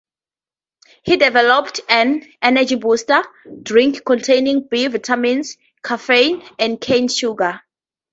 He developed an "energy booster" drink containing B vitamins, caffeine and cane sugar.